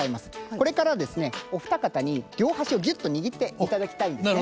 これからですねお二方に両端をぎゅっと握っていただきたいんですね。